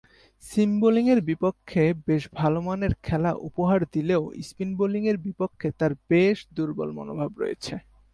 সিম বোলিংয়ের বিপক্ষে বেশ ভালোমানের খেলা উপহার দিলেও স্পিন বোলিংয়ের বিপক্ষে তার বেশ দূর্বল মনোভাব রয়েছে।